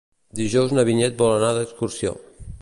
Dijous na Vinyet vol anar d'excursió.